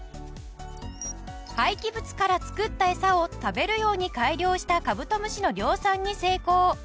廃棄物から作ったエサを食べるように改良したカブトムシの量産に成功。